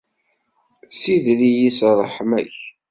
Ssider-iyi s ṛṛeḥma-k.